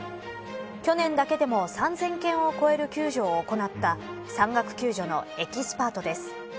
去年だけでも３０００件を超える救助を行った山岳救助のエキスパートです。